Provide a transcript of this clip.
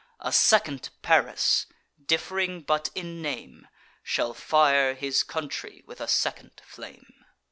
A second Paris, diff'ring but in name, Shall fire his country with a second flame."